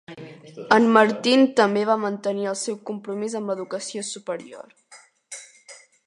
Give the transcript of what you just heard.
En Martin també va mantenir el seu compromís amb l'educació superior.